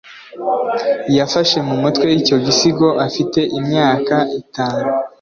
yafashe mu mutwe icyo gisigo afite imyaka itanu